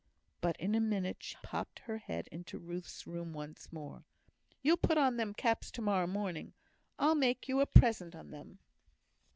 But in a minute she popped her head into Ruth's room once more: "You'll put on them caps to morrow morning. I'll make you a present on them."